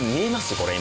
これ今。